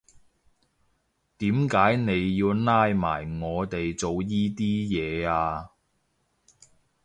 點解你要拉埋我哋做依啲嘢呀？